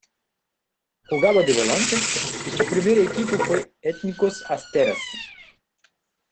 Jugaba de volante y su primer equipo fue Ethnikos Asteras.